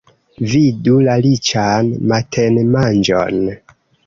Vidu la riĉan matenmanĝon.